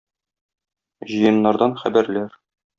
Җыеннардан хәбәрләр.